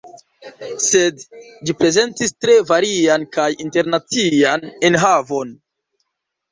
Sed ĝi prezentis tre varian kaj internacian enhavon.